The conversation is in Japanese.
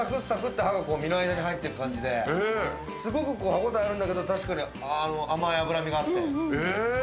て歯が身の間に入って行く感じですごく歯応えあるんだけど確かに甘い脂身があって。